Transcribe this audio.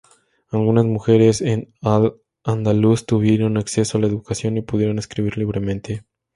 Algunas mujeres en al-Ándalus tuvieron acceso a la educación y pudieron escribir libremente.